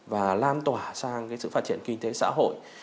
và lan tỏa sang cái sự phát triển kinh tế xã hội